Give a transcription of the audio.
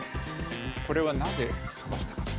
これはなぜ跳ばしたか。